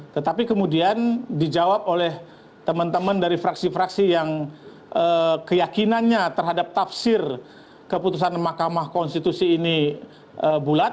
tetapi kemudian dijawab oleh teman teman dari fraksi fraksi yang keyakinannya terhadap tafsir keputusan mahkamah konstitusi ini bulat